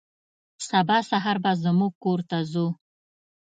سبا سهار به زموږ کور ته ځو.